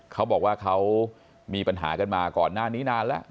เขาบอกว่าเขามีปัญหากันมาก่อนหน้านี้นานแล้ว